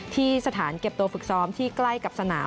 ที่สถานเก็บตัวฝึกซ้อมที่ใกล้กับสนาม